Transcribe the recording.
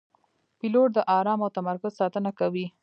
پیلوټ د آرام او تمرکز ساتنه کوي.